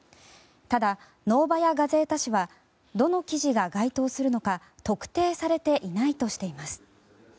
ただ、ノーバヤ・ガゼータ紙はどの記事が該当するのか特定されていないとしています。